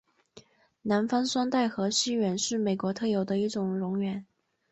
南方双带河溪螈是美国特有的一种蝾螈。